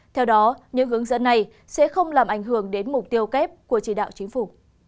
theo đó những hướng dẫn này sẽ không làm ảnh hưởng đến mục tiêu kép của chỉ đạo chính phủ